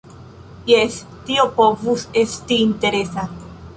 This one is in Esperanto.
Jes, tio povus esti interesa.